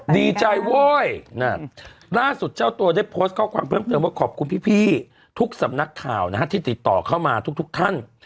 ดีใจโว้ยล่าสุดเจ้าตัวได้โพสต์ข้อความเพิ่มเติมว่าขอบคุณพี่ทุกสำนักข่าวนะฮะที่ติดต่อเข้ามาทุกท่าน